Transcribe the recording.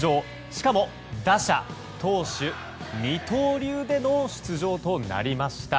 しかも打者、投手二刀流での出場となりました。